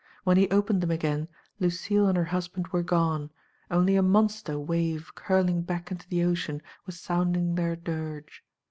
When he opened them again, Lucille and her husband were gone, only a monster wave curling back into the ocean was sounding their dirge.